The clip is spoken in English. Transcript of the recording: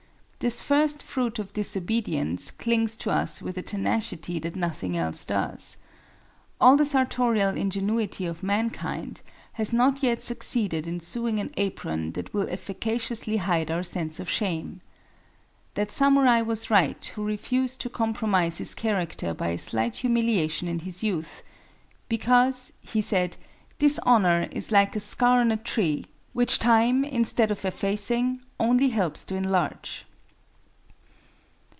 This first fruit of disobedience clings to us with a tenacity that nothing else does. All the sartorial ingenuity of mankind has not yet succeeded in sewing an apron that will efficaciously hide our sense of shame. That samurai was right who refused to compromise his character by a slight humiliation in his youth; "because," he said, "dishonor is like a scar on a tree, which time, instead of effacing, only helps to enlarge."